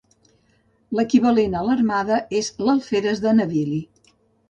L'equivalent a l'armada és l'alferes de navili.